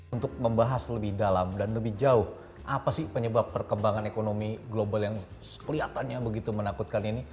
untuk membahas lebih dalam dan lebih jauh apa sih penyebab perkembangan ekonomi global yang kelihatannya begitu menakutkan ini